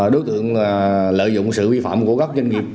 đối tượng lợi dụng sự vi phạm của các doanh nghiệp